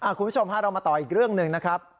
คุณผู้ชมฮะเรามาต่ออีกเรื่องหนึ่งนะครับ